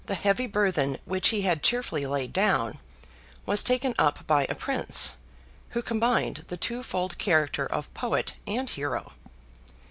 The heavy burthen which he had cheerfully laid down, was taken up by a Prince, who combined the twofold character of poet and hero.